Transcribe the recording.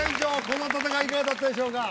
この戦いいかがだったでしょうか？